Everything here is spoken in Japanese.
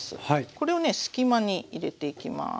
これをね隙間に入れていきます。